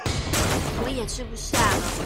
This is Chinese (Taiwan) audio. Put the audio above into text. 我也吃不下了